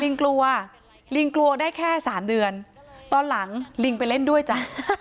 ลิงกลัวลิงกลัวได้แค่สามเดือนตอนหลังลิงไปเล่นด้วยจ้ะ